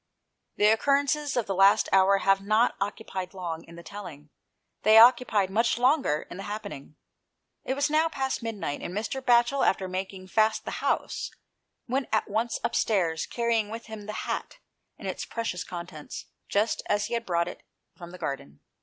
The occurrences of the last hour have not occupied long in the telling; they occupied much longer in the happening. It was now past midnight, and Mr. Batchel, after making fast the house, went at once upstairs, carrying with him the hat and its precious contents, just as he had brought it from the garden.